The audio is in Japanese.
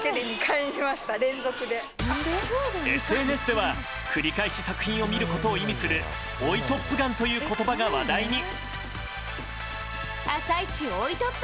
ＳＮＳでは繰り返し作品を見ることを意味する追いトップガンという言葉が話題に。